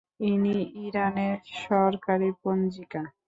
এটি ইরানের সরকারী পঞ্জিকা।